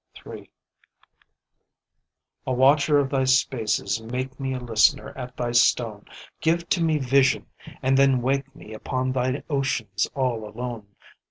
A watcher of Thy spaces make me, Make me a listener at Thy stone, Give to me vision and then wake me Upon Thy oceans all alone.